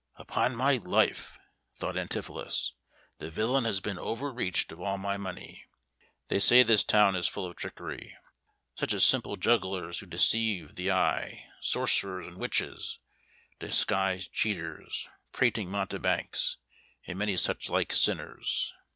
"Upon my life," thought Antipholus, "the villain has been over reached of all my money. They say this town is full of trickery such as simple jugglers who deceive the eye, sorcerers and witches, disguised cheaters, prating mountebanks, and many such like sinners.